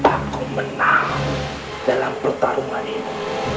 aku menang dalam pertarungan ini